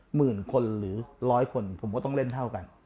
หมื่นคนหรือร้อยคนผมก็ต้องเล่นเท่ากัน